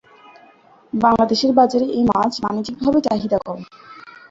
বাংলাদেশের বাজারে এ মাছ বাণিজ্যিকভাবে চাহিদা কম।